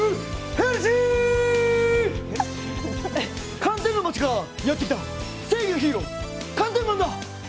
寒天の町からやってきた正義のヒーロー寒天マンだ！